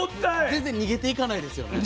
全然逃げていかないですよね？